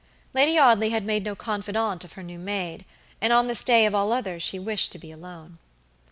Lady Audley had made no confidante of her new maid, and on this day of all others she wished to be alone.